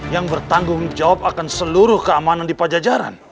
yang bertanggung jawab akan seluruh keamanan di pajajaran